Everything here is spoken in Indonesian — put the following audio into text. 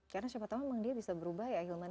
karena siapa tau memang dia bisa berubah ya ahilman